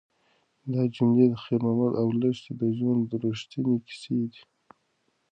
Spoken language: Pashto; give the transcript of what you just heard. دا جملې د خیر محمد او لښتې د ژوند رښتونې کیسې دي.